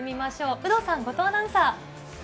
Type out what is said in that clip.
有働さん、後藤アナウンサー。